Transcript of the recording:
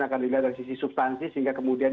akan dilihat dari sisi substansi sehingga kemudian